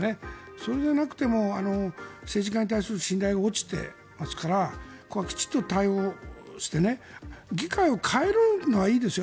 それでなくても政治家に対する信頼が落ちてますからここはきちんと対応して議会を変えるのはいいですよ